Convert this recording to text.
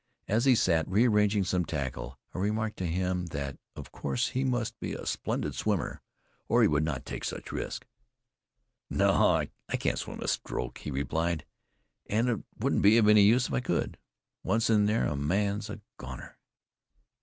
As he sat rearranging some tackle I remarked to him that of course he must be a splendid swimmer, or he would not take such risks. "No, I can't swim a stroke," he replied; "and it wouldn't be any use if I could. Once in there a man's a goner."